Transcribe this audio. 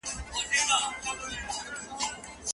آیا هغه به خپل ځان خاوند ته په واک کې ورکوي؟